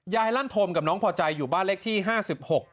ลั่นธมกับน้องพอใจอยู่บ้านเลขที่ห้าสิบหก